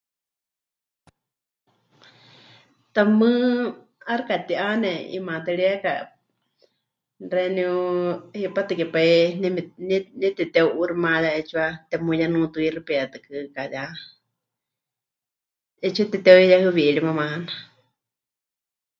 Tamɨ́ 'aixɨ ka ti'ane 'imaatɨríeka xeeníu hipátɨ ke pai nie me... nie, nie temɨteu'uuximayá 'eetsiwa temuyenutuixipietɨkɨka ya 'eetsiwa tepɨteuyuyehɨwiriwa maana.